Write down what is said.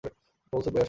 প্রবল স্রোত বয়ে আসে।